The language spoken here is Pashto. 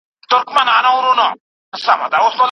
د غریبو لپاره ثابت حقونه سته.